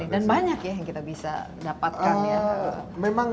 dan banyak ya yang kita bisa dapatkan ya